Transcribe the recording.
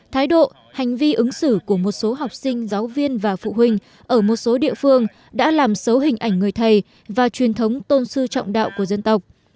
thái độ hành vi ứng xử của một số học sinh giáo viên và phụ huynh ở một số địa phương đã làm xấu hình ảnh người thầy và truyền thống tôn sư trọng đạo của dân tộc